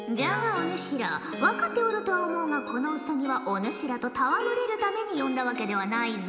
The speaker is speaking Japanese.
お主ら分かっておるとは思うがこのウサギはお主らと戯れるために呼んだわけではないぞ。